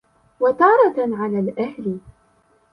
وَتَارَةً عَلَى الْأَهْلِ